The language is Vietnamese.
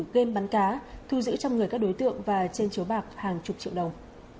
game bắn cá thu giữ trong người các đối tượng và trên chiếu bạc hàng chục triệu đồng